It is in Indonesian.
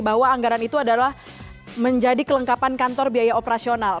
bahwa anggaran itu adalah menjadi kelengkapan kantor biaya operasional